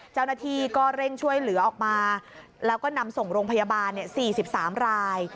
เจ้าหน้าที่ก็เร่งช่วยเหลือออกมาแล้วก็นำส่งโรงพยาบาล๔๓ราย